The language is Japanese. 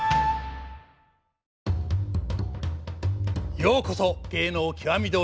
ようこそ「芸能きわみ堂」へ。